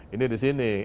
ini di sini